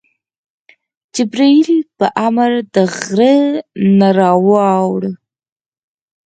جبریل په امر د غره نه راوړ.